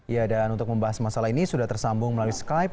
ya dan untuk membahas masalah ini sudah tersambung melalui skype